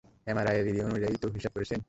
MRI এর reading অনুযায়ীই তো হিসেব করেছেন?